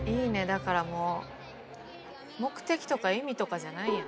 だからもう目的とか意味とかじゃないんや。